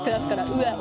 うわっ！